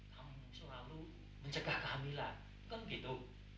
kamu selalu mencegah kehamilan bukan begitu